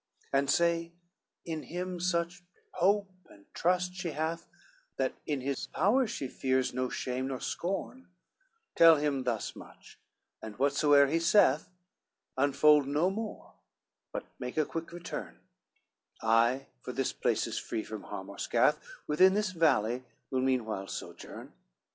C "And say, in him such hope and trust she hath, That in his powers she fears no shame nor scorn, Tell him thus much, and whatso'er he saith, Unfold no more, but make a quick return, I, for this place is free from harm and scath, Within this valley will meanwhile sojourn."